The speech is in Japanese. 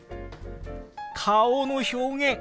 顔の表現！